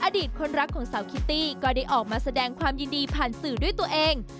อดีตคนรักของสาวคิตตี้ก็ได้ออกมาแสดงความยินดีผ่านสื่อด้วยตัวเอง